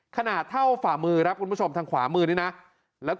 ขนาดเท่าฝ่ามือนะถังขวามือนี้นะ